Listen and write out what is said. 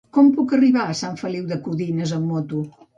Com puc arribar a Sant Feliu de Codines amb moto?